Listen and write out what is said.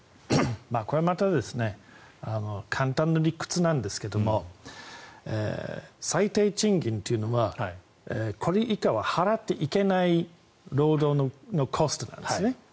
これはまた簡単な理屈なんですが最低賃金というのはこれ以下は払ってはいけない労働のコストなんです。